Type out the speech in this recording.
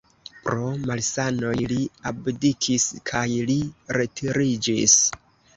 Pro malsanoj li abdikis kaj li retiriĝis.